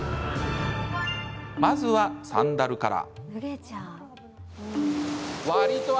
まずは、サンダルから。